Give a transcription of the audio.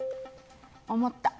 思った。